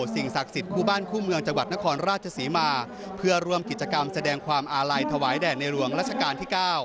สิ่งศักดิ์สิทธิ์คู่บ้านคู่เมืองจังหวัดนครราชศรีมาเพื่อร่วมกิจกรรมแสดงความอาลัยถวายแด่ในหลวงราชการที่๙